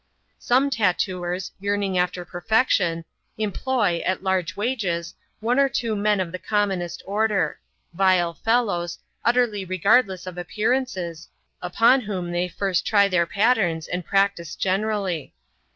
Some tattooers, yearning after perfection, employ, at large wages, one or two men of the commonest order — vile fellows, utterly regardless of appearances, upon whom they first try their patterns and practice generally.